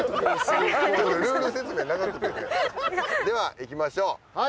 では行きましょう。